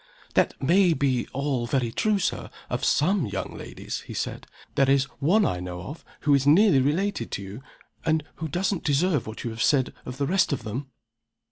"That may be all very true, Sir, of some young ladies," he said. "There is one I know of, who is nearly related to you, and who doesn't deserve what you have said of the rest of them."